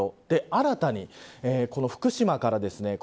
新たに、この福島からですね